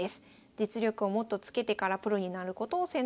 実力をもっとつけてからプロになることを選択。